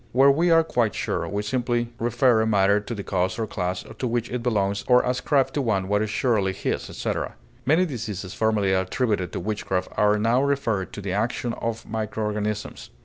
Where we are quite sure, we simply refer a matter to the cause or class to which it belongs or ascribe to one what is surely his, etc. Many diseases formerly attributed to witchcraft are now referred to the action of micro organisms.